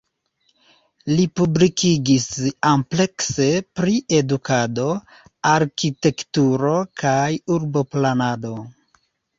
Li publikigis amplekse pri edukado, arkitekturo kaj urboplanado.